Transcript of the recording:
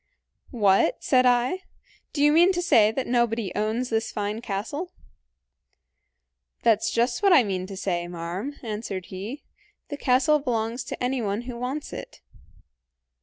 "'What,' said I; 'do you mean to say that nobody owns this fine castle?' "'That's just what I mean to say, marm,' answered he; 'the castle belongs to anyone who wants it.'